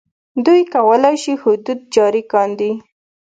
دوی کولای شي حدود جاري کاندي.